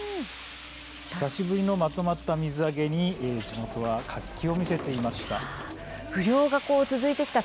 久しぶりのまとまった水揚げに地元は活気づいていました。